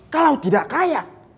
kalau tidak kaya